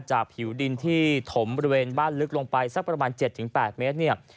จากผิวดินที่ถมบริเวณบ้านลึกลงไปสักประมาณเจ็ดถึงแปดเมตรเนี่ย